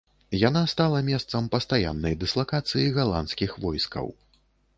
Яна стала месцам пастаяннай дыслакацыі галандскіх войскаў.